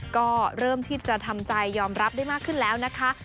ก็เริ่มที่จะทำใจยอมรับได้มากขึ้นแล้วนะคะ